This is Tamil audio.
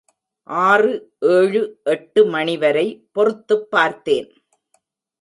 ஆறு, ஏழு, எட்டு மணிவரை பொறுத்துப் பார்த்தேன்.